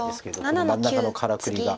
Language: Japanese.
この真ん中のからくりが。